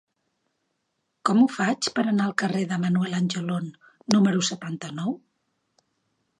Com ho faig per anar al carrer de Manuel Angelon número setanta-nou?